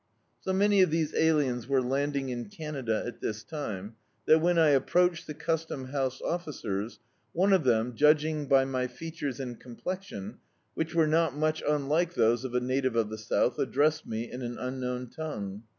So many of these aliens were landing in Canada at this time, that when I approached the Custom House officers, one of them, judging by my features and complexion, which were not much imlike those of a native of the south, addressed me in an un known tongue.